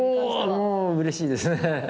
もう嬉しいですね。